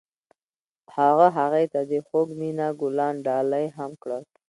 هغه هغې ته د خوږ مینه ګلان ډالۍ هم کړل.